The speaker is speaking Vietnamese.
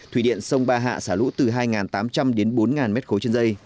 thủy điện sông ba hạ xả lũ từ hai tám trăm linh đến bốn m ba trên dây